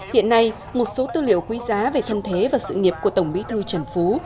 hiện nay một số tư liệu quý giá về thân thế và sự nghiệp của tổng bí thư trần phú